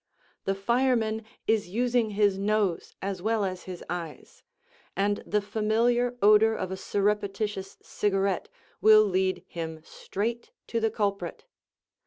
The fireman is using his nose as well as his eyes, and the familiar odor of a surreptitious cigarette will lead him straight to the culprit.